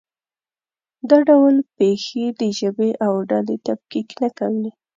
دا ډول پېښې د ژبې او ډلې تفکیک نه کوي.